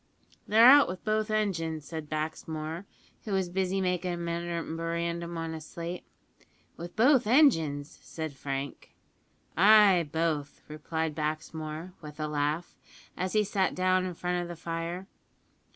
"They're out wi' both engines," said Baxmore, who was busy making a memorandum on a slate. "With both engines!" said Frank. "Ay, both," replied Baxmore, with a laugh, as he sat down in front of the fire.